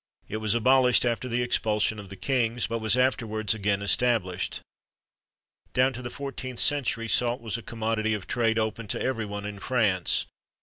It was abolished after the expulsion of the Kings, but was afterwards again established. Down to the 14th century salt was a commodity of trade open to every one in France.